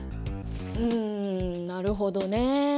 うんなるほどね。